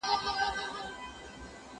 زه کولای سم ځواب وليکم،،